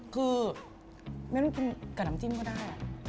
คือไม่ต้องคนกับความที่อุ่นก็ได้อ่ะ